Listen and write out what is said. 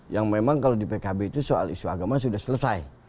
yang memang kalau di pkb itu soal isu agama sudah selesai